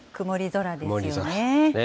曇り空ですよね。